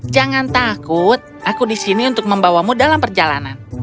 jangan takut aku di sini untuk membawamu dalam perjalanan